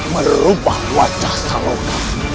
merubah wajah salonka